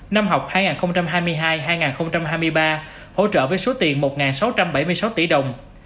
năm học hai nghìn hai mươi hai hai nghìn hai mươi ba hỗ trợ với số tiền một sáu trăm bảy mươi sáu tỷ đồng